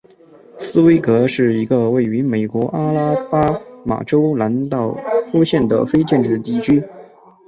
斯威格是一个位于美国阿拉巴马州兰道夫县的非建制地区。